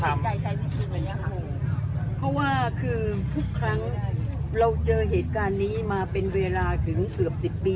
ใจใช้วิธีแบบนี้ค่ะเพราะว่าคือทุกครั้งเราเจอเหตุการณ์นี้มาเป็นเวลาถึงเกือบสิบปี